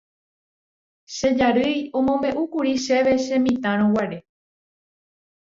Che jarýi omombe'úkuri chéve chemitãrõguare